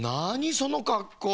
そのかっこう。